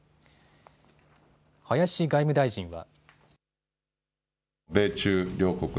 林外務大臣は。